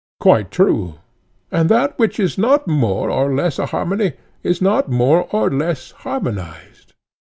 Quite true. And that which is not more or less a harmony is not more or less harmonized?